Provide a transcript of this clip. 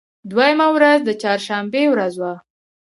دوهمه ورځ د چهار شنبې ورځ وه.